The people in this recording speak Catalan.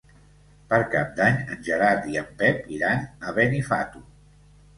Per Cap d'Any en Gerard i en Pep iran a Benifato.